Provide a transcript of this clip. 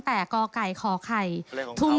การทำงานที่นู่น